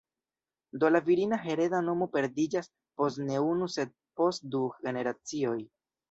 Do la virina hereda nomo perdiĝas post ne unu sed post du generacioj.